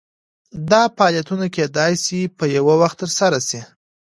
دا فعالیتونه کیدای شي په یو وخت ترسره شي.